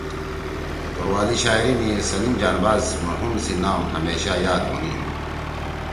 توروالی شاعری می سلیم جانباز مرحوم سی نام ہمیشہ یاد ہونیِن۔